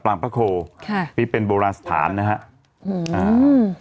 ปลางพระโคค่ะที่เป็นโบราณสถานนะฮะอืม